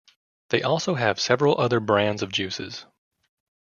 They also have several other brands of juices.